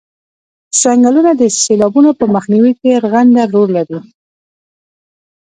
څنګلونه د سیلابونو په مخنیوي کې رغنده رول لري